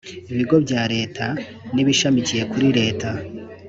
bigo bya Leta n ibishamikiye kuri Leta